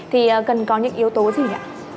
thì cần có những yếu tố gì ạ